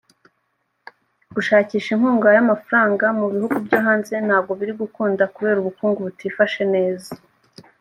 gushakisha inkunga y’amafaranga mu bihugu byohanze ntago biri gukunda kubera ubukungu butifashe neza